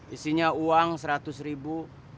isinya uang seratus ribu